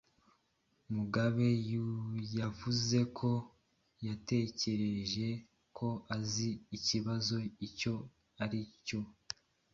Mugabe yavuze ko yatekereje ko azi ikibazo icyo ari cyo.